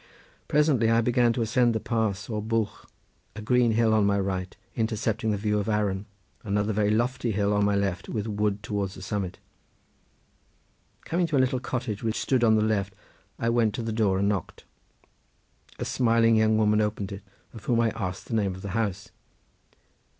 Presently I began to ascend the pass or bwlch, a green hill on my right intercepting the view of Arran, another very lofty hill on my left with wood towards the summit. Coming to a little cottage which stood on the left I went to the door and knocked. A smiling young woman opened it, of whom I asked the name of the house.